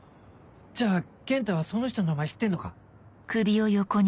じゃあ健太はその人の名前知ってんのか？